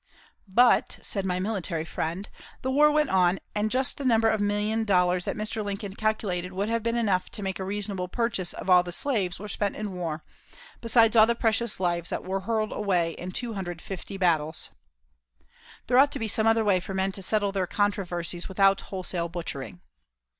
"But," said my military friend, "the war went on, and just the number of million dollars that Mr. Lincoln calculated would have been enough to make a reasonable purchase of all the slaves were spent in war, besides all the precious lives that were hurled away in 250 battles." There ought to be some other way for men to settle their controversies without wholesale butchering.